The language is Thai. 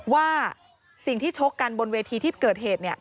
ว่าสิ่งที่ชกกันบนเวทีที่เกิดเหตุ